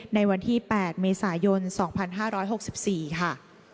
ในวันที่๘เมษายน๒๕๖๔ค่ะ